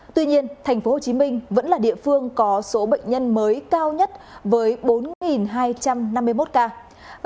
tuy nhiên tp hcm vẫn là địa phương có số bệnh nhân mới cao nhất với bốn hai trăm năm mươi một ca